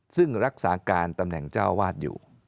ซึ่งรักษาการตำแหน่งเจ้าวาดอยู่